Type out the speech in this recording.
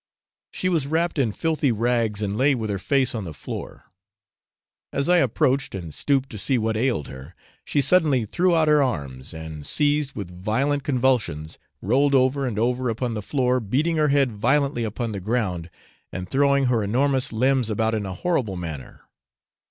She was wrapped in filthy rags, and lay with her face on the floor. As I approached, and stooped to see what ailed her, she suddenly threw out her arms, and, seized with violent convulsions, rolled over and over upon the floor, beating her head violently upon the ground, and throwing her enormous limbs about in a horrible manner.